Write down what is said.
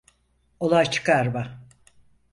Olay çıkarma.